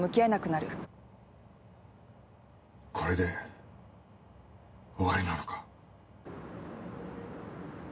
これで終わりなのか？